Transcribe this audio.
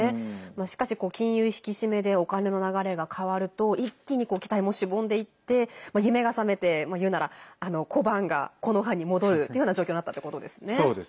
しかし、金融引き締めでお金の流れが変わると一気に期待もしぼんでいって夢が覚めて言うなら小判が木の葉に戻るというような状況になったってことですね。